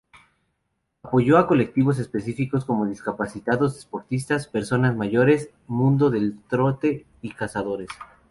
Apoyó a colectivos específicos como discapacitados, deportistas, personas mayores, mundo del trote y cazadores.